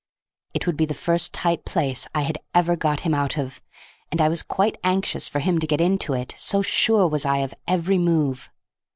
It would be the first tight place I had ever got him out of, and I was quite anxious for him to get into it, so sure was I of every move.